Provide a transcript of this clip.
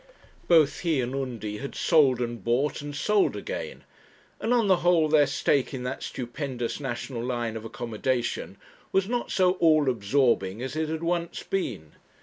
Both he and Undy had sold and bought and sold again; and on the whole their stake in that stupendous national line of accommodation was not so all absorbing as it had once been.